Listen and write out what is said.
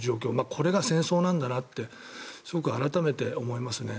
これが戦争なんだなってすごく改めて思いますね。